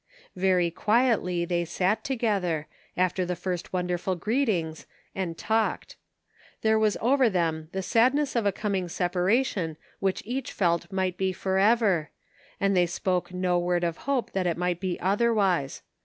Very quietly they sat together, after the first won derful greetings, and talked There was over them the sadness of a coming separation which each felt might be forever ; and they spoke no word of hope that it might be otherwise.